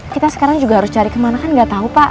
kita sekarang juga harus cari kemana kan nggak tahu pak